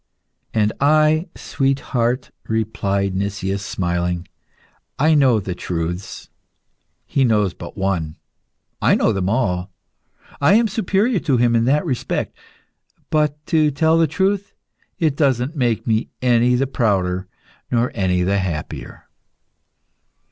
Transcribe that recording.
"And I, sweetheart," replied Nicias, smiling, "I know the truths. He knows but one, I know them all. I am superior to him in that respect, but to tell the truth, it doesn't make me any the prouder nor any the happier."